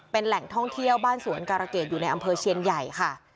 เป็นแหล่งท่องเที่ยวบ้านสวนการเกษอยู่ในอำเภอเชียนใหญ่ค่ะ